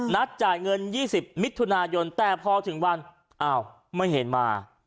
นัดจ่ายเงิน๒๐มิตรทุนายนแต่พอถึงวันไม่เห็นมา